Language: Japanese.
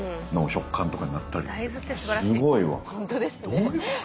どういうこと？